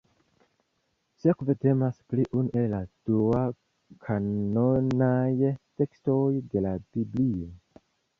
Sekve temas pri unu el la dua-kanonaj tekstoj de la Biblio.